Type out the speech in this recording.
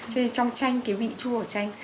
cho nên trong chanh cái vị chua của chanh